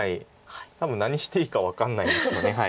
多分何していいか分かんないんですよね。